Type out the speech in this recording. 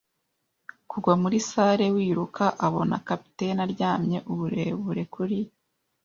kugwa muri salle, wiruka, abona capitaine aryamye uburebure kuri